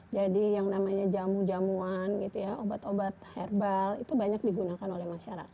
jadi yang namanya jamu jamuan obat obat herbal itu banyak digunakan oleh masyarakat